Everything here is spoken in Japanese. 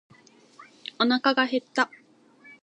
おなかが減った。